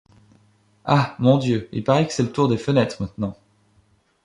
Ah! mon Dieu ! il paraît que c’est le tour des fenêtres maintenant.